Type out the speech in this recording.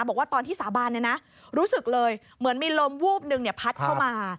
บอกว่าตอนที่สาบานรู้สึกเลยเหมือนมีลมวูบหนึ่งพัดเข้ามา